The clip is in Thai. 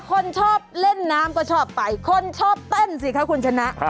คนชอบเล่นน้ำก็ชอบไปคนชอบเต้นสิคะคุณชนะ